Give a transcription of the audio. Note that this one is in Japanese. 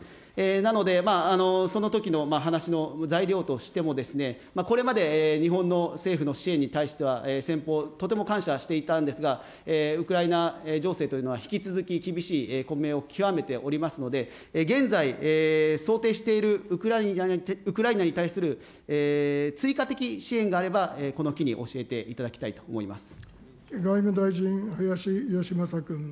なので、そのときの話の材料としても、これまで日本の政府の支援に対しては先方、とても感謝していたんですが、ウクライナ情勢というのは引き続き厳しい混迷を極めておりますので、現在、想定しているウクライナに対する追加的支援があればこの機に教えていただきたいと思います。